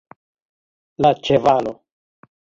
La ĉevalo.